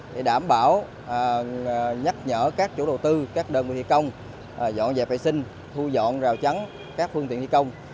để đảm bảo nhắc nhở các chủ đầu tư các đơn vị thi công dọn dẹp vệ sinh thu dọn rào chắn các phương tiện thi công